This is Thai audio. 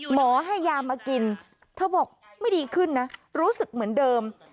หมอให้ยามากินเธอบอกไม่ดีขึ้นนะรู้สึกเหมือนเดิม